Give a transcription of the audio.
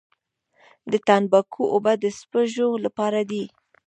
د تنباکو اوبه د سپږو لپاره دي؟